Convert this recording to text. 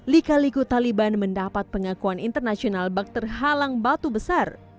lika liku taliban mendapat pengakuan internasional bakter halang batu besar